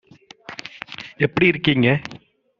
எப்படி இருக்கீங்க?